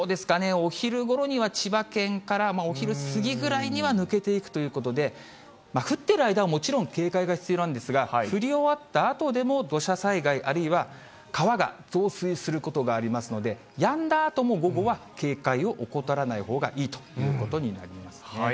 お昼ごろには千葉県から、お昼過ぎぐらいには抜けていくということで、降っている間はもちろん、警戒が必要なんですが、降り終わったあとでも、土砂災害、あるいは川が増水することがありますので、やんだあとも午後は、警戒を怠らないほうがいいということになりますね。